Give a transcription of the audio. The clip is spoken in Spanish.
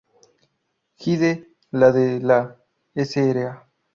Hyde", la de la Sra.